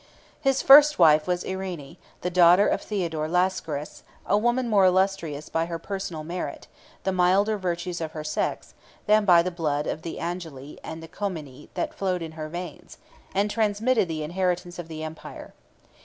His first wife was Irene, the daughter of Theodore Lascaris, a woman more illustrious by her personal merit, the milder virtues of her sex, than by the blood of the Angeli and Comneni that flowed in her veins, and transmitted the inheritance of the empire.